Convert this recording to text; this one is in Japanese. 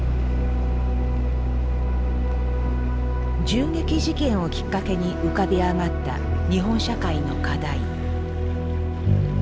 銃撃事件をきっかけに浮かび上がった日本社会の課題。